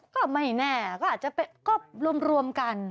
ก็ไม่แน่ก็อาจจะก็รวมกัน